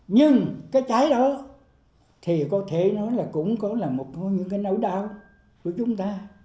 nhưng cái cháy đó thì có thể nói là cũng có là một cái nỗi đau của chúng ta